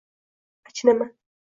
Achinaman.